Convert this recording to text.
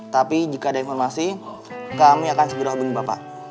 tapi jika ada informasi kami akan segera hubungi bapak